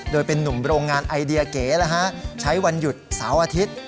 โดยเป็นนุ่มโรงงานไอเดียเก๋ใช้วันหยุดเสาร์อาทิตย์